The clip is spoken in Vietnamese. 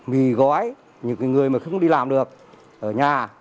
mì gói những người mà không đi làm được ở nhà